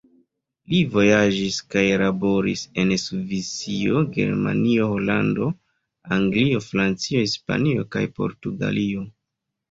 Li vojaĝis kaj laboris en Svisio, Germanio, Holando, Anglio, Francio, Hispanio kaj Portugalio.